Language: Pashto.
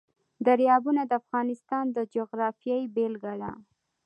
دریابونه د افغانستان د جغرافیې بېلګه ده.